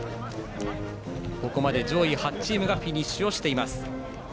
ここまで上位８チームがフィニッシュしています。